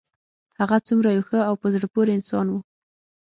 هغه څومره یو ښه او په زړه پورې انسان و